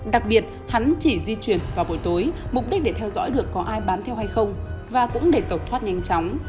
đặc biệt hắn chỉ di chuyển vào buổi tối mục đích để theo dõi được có ai bám theo hay không và cũng để tẩu thoát nhanh chóng